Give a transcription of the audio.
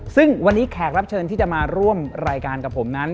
ซึ่งวันนี้แขกรับเชิญที่จะมาร่วมรายการกับผมนั้น